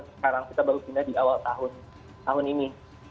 sekarang kita baru pindah di awal tahun ini